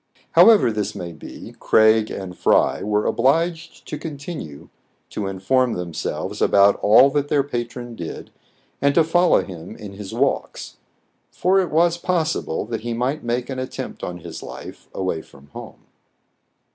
However this may be, Craig and Fry were obliged to continue to inform themselves about all that their patron did, and to follow him in his walks ; for it was possible that he might make an attempt on his life away from home.